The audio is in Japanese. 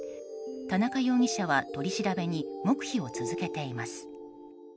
田中容疑者は取り調べに黙秘を続けています。